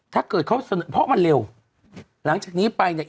ถ้าเกิดเขาเสนอเพราะมันเร็วหลังจากนี้ไปเนี่ย